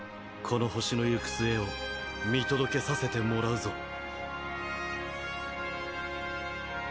この星の行く末を見届けさせてもらうぞ。